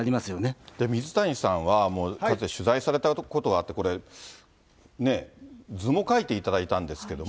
水谷さんは、かつて取材されたことがあって、図も描いていただいたんですけれども。